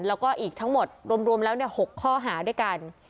แล้วก็อีกทั้งหมดรวมแล้ว๖ข้อหาด้วยกัน